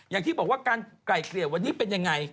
อย่างที่บอกว่าการไกล่เกลี่ยวันนี้เป็นยังไง